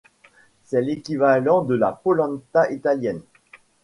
C'est l'équivalent de la polenta italienne.